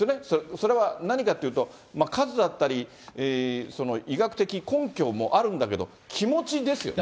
それは何かっていうと、数だったり、その医学的根拠もあるんだけど、気持ちですよね。